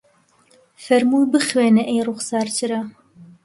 فەرمووی بخوێنە ئەی ڕوخسار چرا